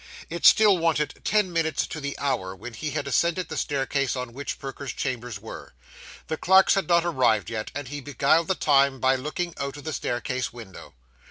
It still wanted ten minutes to the hour when he had ascended the staircase on which Perker's chambers were. The clerks had not arrived yet, and he beguiled the time by looking out of the staircase window.